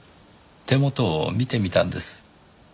手元を見てみたんです。